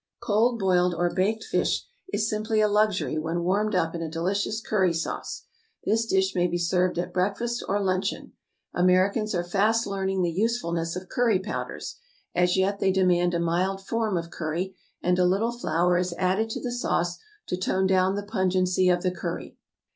= Cold boiled or baked fish is simply a luxury when warmed up in a delicious curry sauce. This dish may be served at breakfast or luncheon. Americans are fast learning the usefulness of curry powders; as yet they demand a mild form of curry, and a little flour is added to the sauce to tone down the pungency of the curry.